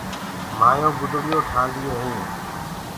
مآيونٚ گُدڙيونٚ ٺآنديونٚ هينٚ۔